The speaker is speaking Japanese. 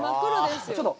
ちょっと。